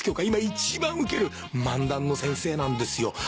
今一番ウケる漫談の先生なんですよ。